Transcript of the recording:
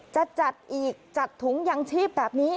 จะจัดอีกจัดถุงยังชีพแบบนี้